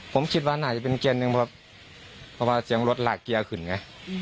ผมคิดว่าน่าจะเป็นแกนหนึ่งครับเพราะว่าเสียงรถหลากเกียร์ขึ้นไง